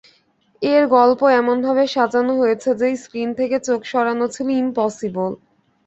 এর গল্প এমনভাবে সাজানো হয়েছে যে স্ক্রীন থেকে চোখ সরানো ছিল ইম্পসিবল।